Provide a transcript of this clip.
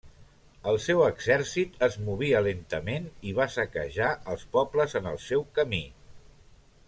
El seu exèrcit es movia lentament i va saquejar els pobles en el seu camí.